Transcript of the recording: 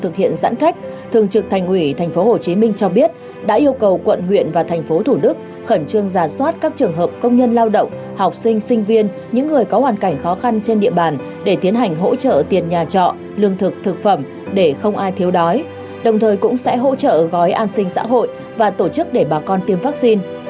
trước những lo lắng của người dân khi tp hcm tiếp tục thực hiện giãn cách thường trực thành ủy tp hcm cho biết đã yêu cầu quận huyện và tp thủ đức khẩn trương giả soát các trường hợp công nhân lao động học sinh sinh viên những người có hoàn cảnh khó khăn trên địa bàn để tiến hành hỗ trợ tiền nhà trọ lương thực thực phẩm để không ai thiếu đói đồng thời cũng sẽ hỗ trợ gói an sinh xã hội và tổ chức để bà con tiêm vaccine